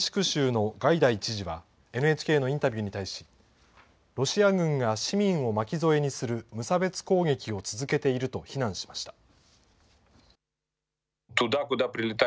州のガイダイ知事は、ＮＨＫのインタビューに対し、ロシア軍が市民を巻き添えにする無差別攻撃を続けていると非難しました。